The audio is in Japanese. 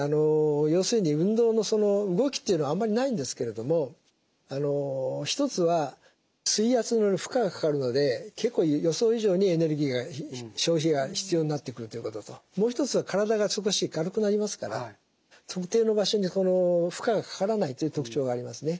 要するに運動の動きというのあんまりないんですけれども一つは水圧による負荷がかかるので結構予想以上にエネルギーが消費が必要になってくるということともう一つは体が少し軽くなりますから特定の場所に負荷がかからないという特徴がありますね。